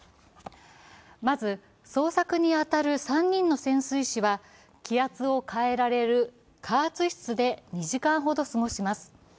まず捜索に当たる３人の潜水士は気圧を変えられる加圧室で２時間ほど過ごします。